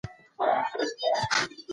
هلته یې د ماشومانو زدکړه او مینه وستایله.